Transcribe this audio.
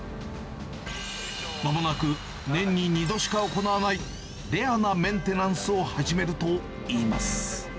まもなく、年に２度しか行わないレアなメンテナンスを始めるといいます。